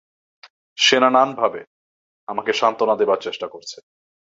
সেনানানভাবে আমাকে সত্ত্বনা দেবার চেষ্টা করছে।